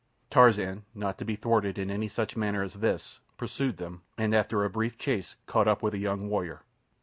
Tarzan, not to be thwarted in any such manner as this, pursued them, and after a brief chase caught up with a young warrior.